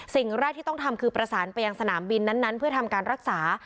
สิ่งแรกที่ต้องทำคือประสานไปยังสนามบินนั้นเพื่อทำการรักษา